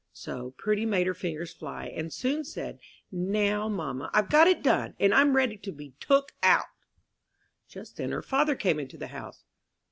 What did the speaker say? So Prudy made her fingers fly, and soon said, "Now, mamma, I've got it done, and I'm ready to be took out!" Just then her father came into the house.